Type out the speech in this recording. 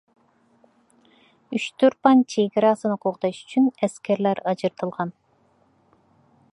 ئۇچتۇرپان چېگراسىنى قوغداش ئۈچۈن ئەسكەرلەر ئاجرىتىلغان.